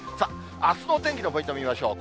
あすのお天気のポイント見ましょう。